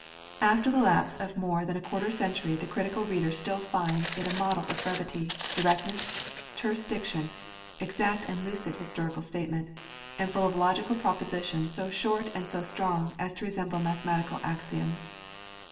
After the lapse of more than a quarter of a century the critical reader still finds it a model of brevity, directness, terse diction, exact and lucid historical statement, and full of logical propositions so short and so strong as to resemble mathematical axioms.